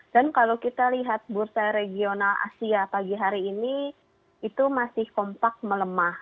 dan kalau kita lihat bursa regional asia pagi hari ini itu masih kompak melemah